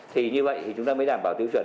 thì như vậy thì chúng ta mới đảm bảo tiêu chuẩn